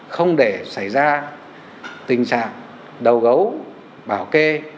không để xảy ra tình trạng đầu gấu bảo kê